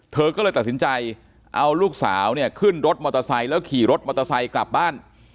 เธอก็เลยตัดสินใจเอาลูกสาวเนี่ยขึ้นรถมอเตอร์ไซค์แล้วขี่รถมอเตอร์ไซค์กลับบ้าน